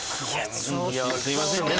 いやすいませんね